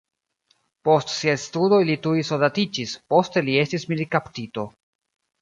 Post siaj studoj li tuj soldatiĝis, poste li estis militkaptito.